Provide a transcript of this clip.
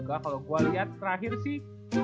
kalau gue liat terakhir sih